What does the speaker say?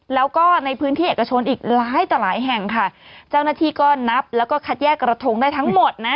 แล้วก็ในพื้นที่เอกชนอีกหลายต่อหลายแห่งค่ะเจ้าหน้าที่ก็นับแล้วก็คัดแยกกระทงได้ทั้งหมดนะ